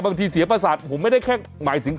บางทีเสียประสาทผมไม่ได้แค่หมายถึง